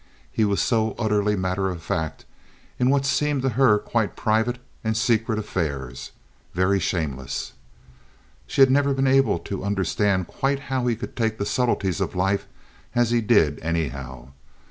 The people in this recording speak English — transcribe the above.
He was so utterly matter of fact in what seemed to her quite private and secret affairs—very shameless. She had never been able to understand quite how he could take the subtleties of life as he did, anyhow.